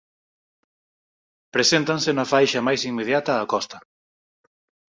Preséntanse na faixa máis inmediata á costa.